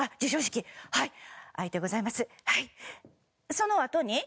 そのあとに？